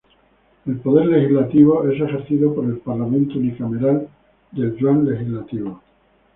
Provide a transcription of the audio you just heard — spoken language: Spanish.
El poder legislativo es ejercido por el parlamento unicameral del Yuan Legislativo.